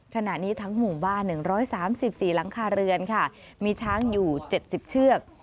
ขณะนี้ทั้งหมู่บ้าน๑๓๔หลังคาเรือนค่ะมีช้างอยู่๗๐เชือก